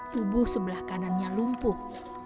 tubuh sebelah kanannya lumpuh